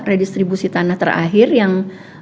redistribusi tanah terakhir yang